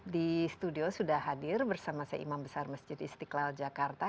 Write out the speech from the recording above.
di studio sudah hadir bersama saya imam besar masjid istiqlal jakarta